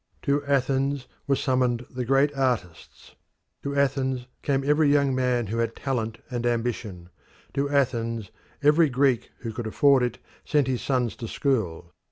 To Athens were summoned the great artists: to Athens came every young man who had talent and ambition: to Athens every Greek who could afford it sent his boys to school.